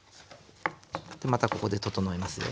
またここで整えますよ。